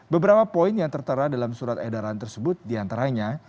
beberapa poin yang tertera dalam surat edaran tersebut diantaranya